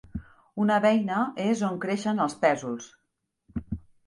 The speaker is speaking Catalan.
Una beina és on creixen els pèsols.